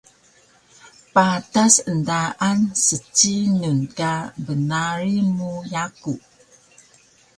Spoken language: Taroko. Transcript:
patas endaan scinun ka bnarig mu yaku